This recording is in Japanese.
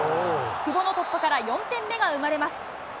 久保の突破から４点目が生まれます。